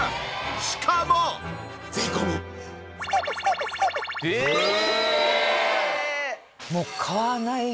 しかも。ええーっ！？